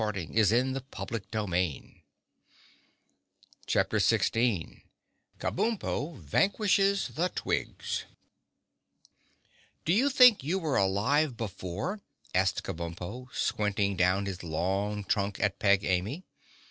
[Illustration: (unlabelled)] Chapter 16 Kabumpo Vanquishes The Twigs "Do you think you were alive before?" asked Kabumpo, squinting down his long trunk at Peg Amy.